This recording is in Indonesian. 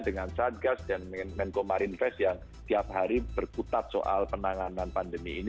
dengan satgas dan menko marinvest yang tiap hari berkutat soal penanganan pandemi ini